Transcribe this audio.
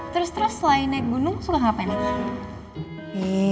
terus terus selain naik gunung suka ngapain